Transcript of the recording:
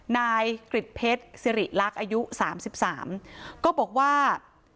นายกริจเพชรสิริรักษ์อายุสามสิบสามก็บอกว่า